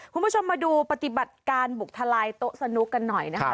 คุณผู้ชมมาดูปฏิบัติการบุกทลายโต๊ะสนุกกันหน่อยนะคะ